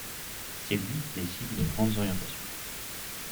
C'est lui qui décide les grandes orientations.